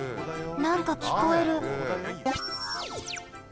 なんかきこえる。